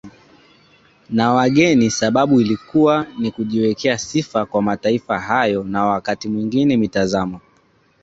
na wageni sababu ilikuwa ni kujiwekea sifa kwa mataifa hayo na wakati mwingine mitazamo